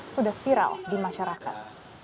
sudah viral di masyarakat